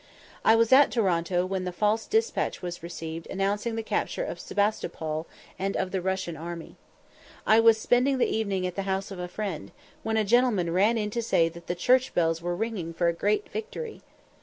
I was at Toronto when the false despatch was received announcing the capture of Sebastopol and of the Russian army. I was spending the evening at the house of a friend, when a gentleman ran in to say that the church bells were ringing for a great victory!